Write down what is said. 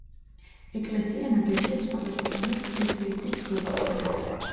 ეკლესია ნაგებია სხვადასხვა ზომის ფლეთილი ქვით დუღაბზე.